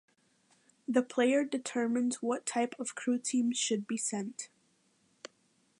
The player determines what types of crew teams should be sent.